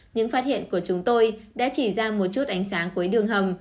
những phát hiện của chúng tôi đã chỉ ra một chút ánh sáng với đường hầm